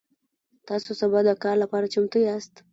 تاسو سبا د کار لپاره چمتو یاست؟